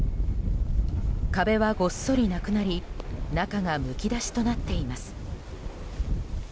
壁はごっそりなくなり中がむき出しとなっています。